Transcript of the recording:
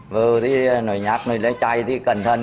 vừa thì nói nhạc nói chay thì cẩn thận